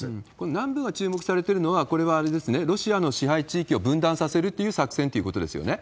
南部が注目されているのは、これはあれですね、ロシアの支配地域を分断させるという作戦ということですよね？